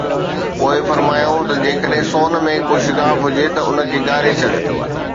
پوءِ فرمايائون ته: جيڪڏهن سون ۾ ڪو شگاف هجي ته ان کي ڳاري ڇڏ